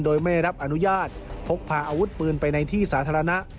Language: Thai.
โดยไม่ได้รับอนุญาตพกพาอาวุธปืนไปในที่สาธารณะ